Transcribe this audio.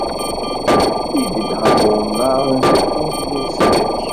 Ibedd ɣef umnar n tewwurt n ufrag.